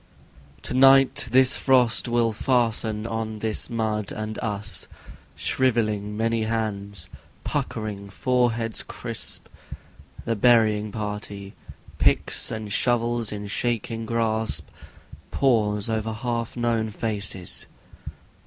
To night, His frost will fasten on this mud and us, Shrivelling many hands and puckering foreheads crisp. The burying party, picks and shovels in their shaking grasp, Pause over half known faces.